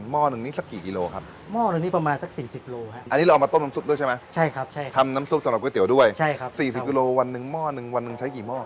ใช่ครับใช่ทำน้ำซูปสำหรับก๋วยเตี๋ยวด้วยใช่ครับ๔๐กิโลวันหนึ่งหม้อหนึ่งวันหนึ่งใช้กี่หม้อ